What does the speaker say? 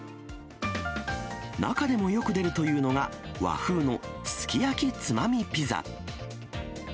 中でもよく出るというのが、和風のすき焼きツマミピザ。